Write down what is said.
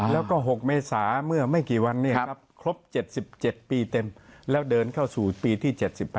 แล้วก็๖เมษาเมื่อไม่กี่วันครบ๗๗ปีเต็มแล้วเดินเข้าสู่ปีที่๗๘